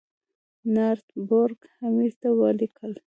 نارت بروک امیر ته ولیکل.